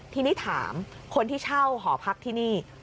ทีนี้ถามคนที่เช่าหอพักที่นี่